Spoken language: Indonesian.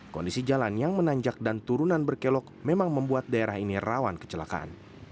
kondisi jalan yang menanjak dan turunan berkelok memang membuat daerah ini rawan kecelakaan